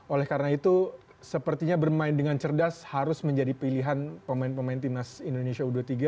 oleh karena itu sepertinya bermain dengan cerdas harus menjadi pilihan pemain pemain timnas indonesia u dua puluh tiga